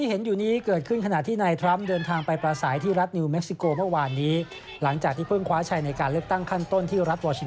เป็นไปได้มากขึ้นนะครับ